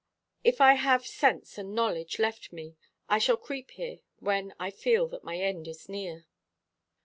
If I have sense and knowledge left me, I shall creep here when I feel that my end is near."